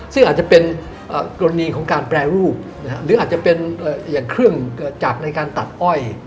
ซึ่งอาจจะเป็นกรณีของการแปรรูปหรืออาจจะเป็นอย่างเครื่องเกิดจากในการตัดอ้อย